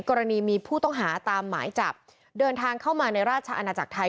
กรณีมีผู้ต้องหาตามหมายจับเดินทางเข้ามาในราชอาณาจักรไทย